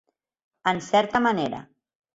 En certa manera.